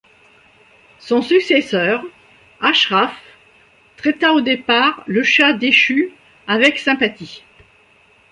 Son successeur, Ashraf, traita au départ le chah déchu avec sympathie.